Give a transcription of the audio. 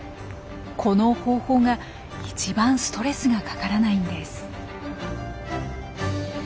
この方法が一番ストレスがかからないんです。